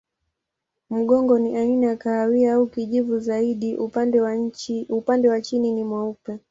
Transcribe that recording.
Mgongo ni aina ya kahawia au kijivu zaidi, upande wa chini ni mweupe.